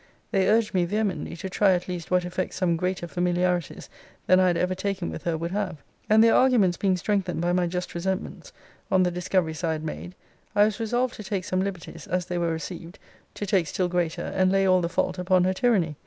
They urge me vehemently to try at least what effect some greater familiarities than I had ever taken with her would have: and their arguments being strengthened by my just resentments on the discoveries I had made, I was resolved to take some liberties, as they were received, to take still greater, and lay all the fault upon her tyranny.